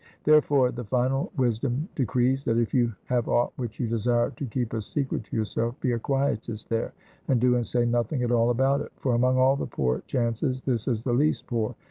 Therefore the final wisdom decrees, that if you have aught which you desire to keep a secret to yourself, be a Quietist there, and do and say nothing at all about it. For among all the poor chances, this is the least poor.